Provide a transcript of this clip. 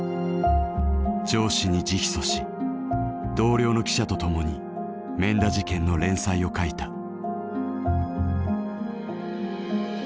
上司に直訴し同僚の記者と共に免田事件の連載を書いた。